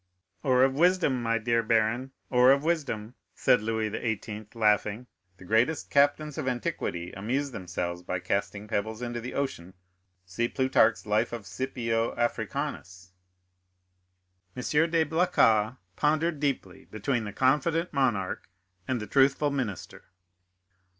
"Or of wisdom, my dear baron—or of wisdom," said Louis XVIII., laughing; "the greatest captains of antiquity amused themselves by casting pebbles into the ocean—see Plutarch's life of Scipio Africanus." M. de Blacas pondered deeply between the confident monarch and the truthful minister.